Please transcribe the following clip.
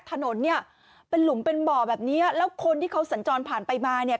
ถนนเนี่ยเป็นหลุมเป็นบ่อแบบเนี้ยแล้วคนที่เขาสัญจรผ่านไปมาเนี่ย